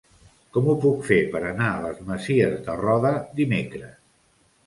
Com ho puc fer per anar a les Masies de Roda dimecres?